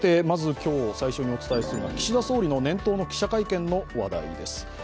まず、今日、最初にお伝えするのは岸田総理の年頭の記者会見の話題です。